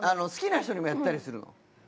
好きな人にもやったりするの？